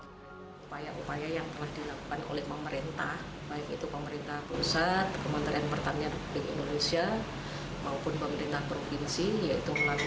upaya upaya yang telah dilakukan oleh pemerintah